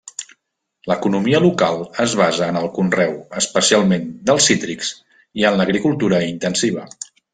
L'economia local es basa en el conreu, especialment dels cítrics, i en l'agricultura intensiva.